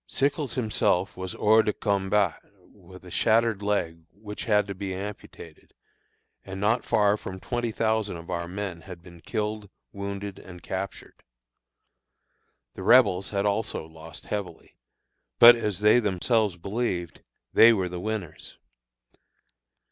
Sickles himself was hors de combat, with a shattered leg which had to be amputated, and not far from twenty thousand of our men had been killed, wounded, and captured! The Rebels had also lost heavily; but, as they themselves believed, they were the winners.